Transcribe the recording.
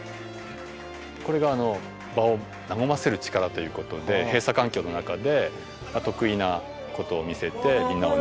これが場を和ませる力ということで閉鎖環境の中で得意なことを見せて。